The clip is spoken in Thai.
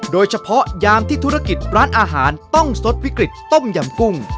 ยามที่ธุรกิจร้านอาหารต้องสดวิกฤตต้มยำกุ้ง